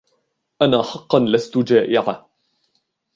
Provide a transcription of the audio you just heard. أنا حقاً لستُ جائعة.